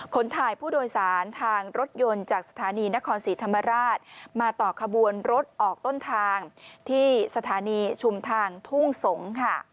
ขนถ่ายผู้โดยสารทางรถยนต์จากสถานีนครศรีธรรมราชมาต่อขบวนรถออกต้นทางที่สถานีชุมทางทุ่งสงศ์ค่ะ